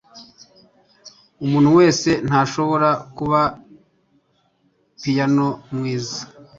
Umuntu wese ntashobora kuba piyano mwiza.